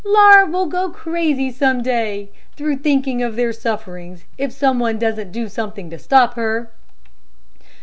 "Laura will go crazy some day, through thinking of their sufferings, if some one doesn't do something to stop her."